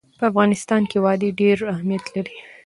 په افغانستان کې وادي ډېر اهمیت لري.